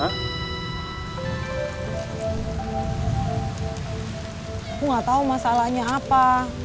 aku nggak tahu masalahnya apa